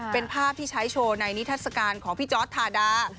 เป็นภาพที่ใช้โชว์ในนิทัศกาลของพี่จอร์ดทาดา